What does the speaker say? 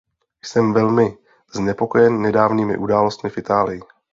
Jsem velmi znepokojen nedávnými událostmi v Itálii.